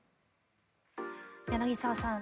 柳澤さん